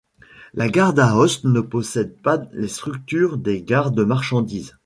La gare d'Aoste ne possède pas les structures des gares de marchandises.